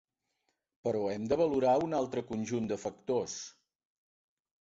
Però hem de valorar un altre conjunt de factors.